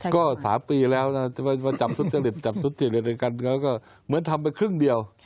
ก็สามปีแล้วนะจำทุษฎิตในกันก็เหมือนทำไปครึ่งเดียว